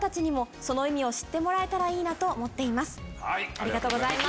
ありがとうございます。